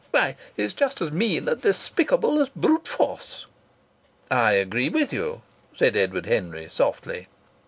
Why, it's just as mean and despicable as brute force." "I agree with you," said Edward Henry, softly.